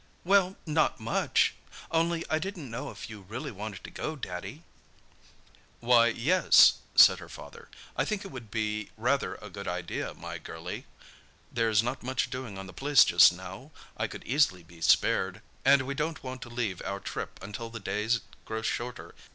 "Well—not much! Only I didn't know if you really wanted to go, Daddy." "Why, yes," said her father. "I think it would be rather a good idea, my girlie. There's not much doing on the place just now. I could easily be spared. And we don't want to leave our trip until the days grow shorter.